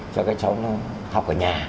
cho các cháu học ở nhà